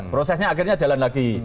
prosesnya akhirnya jalan lagi